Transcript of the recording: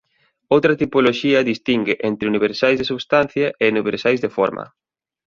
Outra tipoloxía distingue entre universais de substancia e universais de forma.